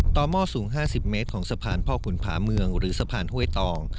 หม้อสูง๕๐เมตรของสะพานพ่อขุนผาเมืองหรือสะพานห้วยตอง